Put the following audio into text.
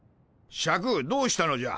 シャクどうしたのじゃ。